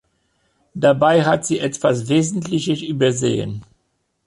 Dabei hat sie etwas Wesentliches übersehen.